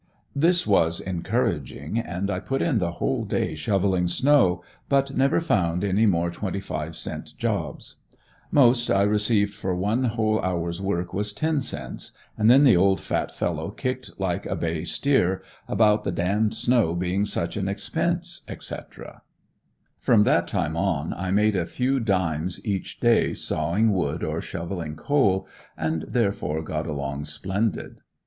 This was encouraging and I put in the whole day shoveling snow, but never found any more twenty five cent jobs; most I received for one whole hour's work was ten cents, and then the old fat fellow kicked like a bay steer, about the d d snow being such an expense, etc. From that time on I made a few dimes each day sawing wood or shoveling coal and therefore got along splendid.